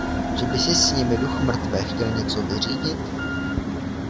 Že by si s nimi duch mrtvé chtěl něco vyřídit?